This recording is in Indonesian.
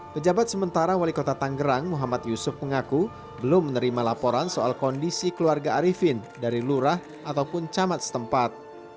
pejabat sementara wali kota tanggerang muhammad yusuf mengaku belum menerima laporan soal kondisi keluarga arifin dari lurah ataupun camat setempat